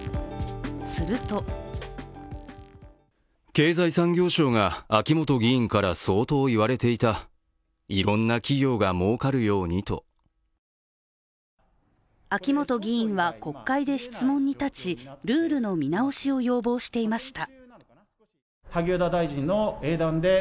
すると秋本議員は国会で質問に立ちルールの見直しを要望していました。